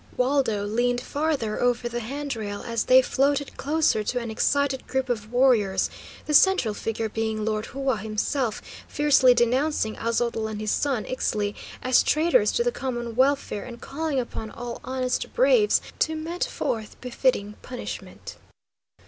Waldo leaned farther over the hand rail as they floated closer to an excited group of warriors, the central figure being Lord Hua himself, fiercely denouncing Aztotl and his son, Ixtli, as traitors to the common welfare, and calling upon all honest braves to mete forth befitting punishment.